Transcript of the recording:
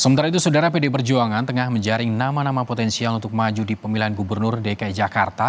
sementara itu saudara pd perjuangan tengah menjaring nama nama potensial untuk maju di pemilihan gubernur dki jakarta